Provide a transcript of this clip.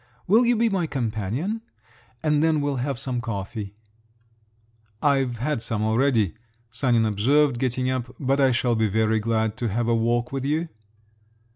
Will you be my companion? And then we'll have some coffee." "I've had some already," Sanin observed, getting up; "but I shall be very glad to have a walk with you."